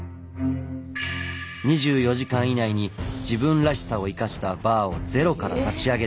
２４時間以内に自分らしさを生かしたバーをゼロから立ち上げること。